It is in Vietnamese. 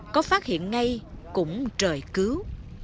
có phát hiện ngay cũng trời cứu